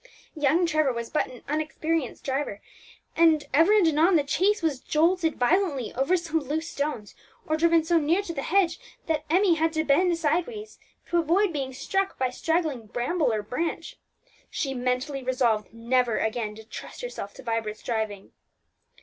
Young Trevor was but an inexperienced driver, and ever and anon the chaise was jolted violently over some loose stones, or driven so near to the hedge that Emmie had to bend sideways to avoid being struck by straggling bramble or branch. She mentally resolved never again to trust herself to Vibert's driving.